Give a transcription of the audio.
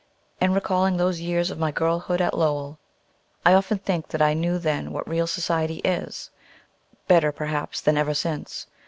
In recalling those years of my girlhood at Lowell, I often think that I knew then what real society is better perhaps than ever since.